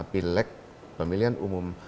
pileg pemilihan umum